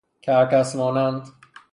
کرکس مانند